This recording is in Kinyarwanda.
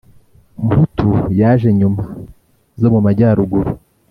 mputu zaje nyuma zo mu majyaruguru